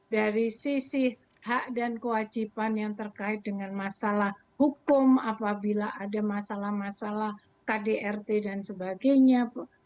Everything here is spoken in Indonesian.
dari sisi hak dan kewajiban yang terkait dengan masalah hukum apabila ada masalah masalah kdrt dan sebagainya